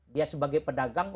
dia sebagai pedagang